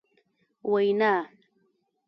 وینا ...